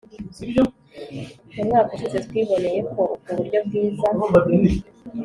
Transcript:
Mu mwaka ushize twiboneye ko ubwo buryo bwiza